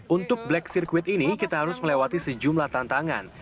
untuk black circuit ini kita harus melewati sejumlah tantangan